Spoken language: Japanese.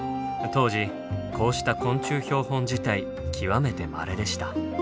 当時こうした昆虫標本自体極めてまれでした。